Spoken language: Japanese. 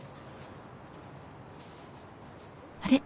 あれ？